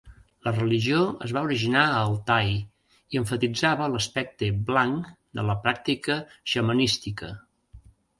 La religió es va originar a Altai i emfatitzava l'aspecte "blanc" de la pràctica xamanística.